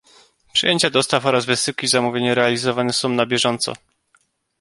Przyjęcia dostaw oraz wysyłki zamówień realizowane są na bieżąco.